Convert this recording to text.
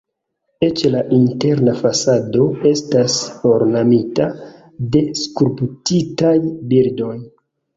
Eĉ la interna fasado estas ornamita de skulptitaj bildoj.